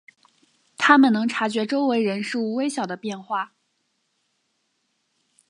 他们能察觉周围人事物微小的变化。